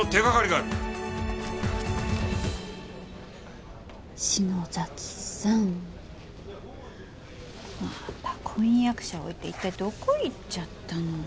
あなた婚約者を置いて一体どこへ行っちゃったの？